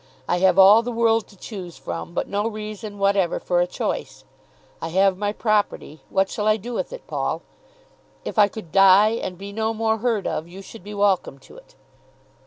I have all the world to choose from, but no reason whatever for a choice. I have my property. What shall I do with it, Paul? If I could die and be no more heard of, you should be welcome to it."